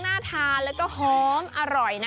น่าทานแล้วก็หอมอร่อยนะ